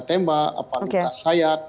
tembak apa luka sayat